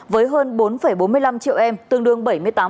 với hơn bốn bốn mươi năm triệu em tương đương bảy mươi tám